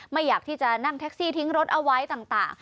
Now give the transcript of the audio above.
อยากที่จะนั่งแท็กซี่ทิ้งรถเอาไว้ต่าง